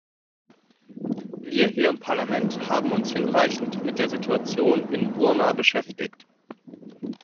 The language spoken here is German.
Wir hier im Parlament haben uns hinreichend mit der Situation in Burma beschäftigt.